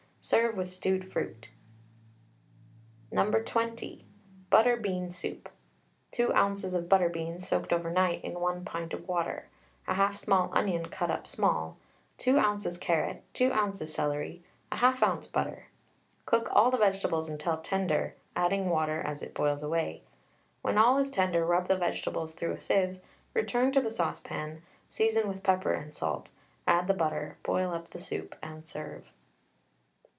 Serve with stewed fruit. No. 20. BUTTER BEAN SOUP. 2 oz. of butter beans soaked overnight in 1 pint of water, 1/2 small onion cut up small, 2 oz. carrot, 2 oz. celery, 1/2 oz. butter. Cook all the vegetables until tender, adding water as it boils away. When all is tender, rub the vegetables through a sieve, return to the saucepan, season with pepper and salt, add the butter, boil up the soup, and serve.